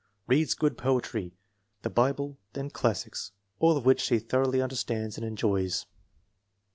Reads good poetry, the Bi ble, and classics, all of which she thoroughly under stands and enjoys.